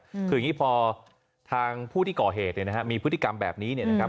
คืออย่างนี้พอทางผู้ที่ก่อเหตุมีพฤติกรรมแบบนี้นะครับ